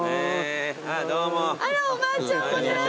あらおばあちゃんもね